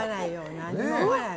何も思わない。